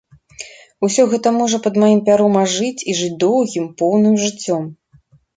Усё гэта можа пад маім пяром ажыць і жыць доўгім, поўным жыццём.